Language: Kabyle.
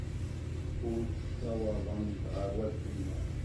Ur ssawaḍent ɣer wacemma.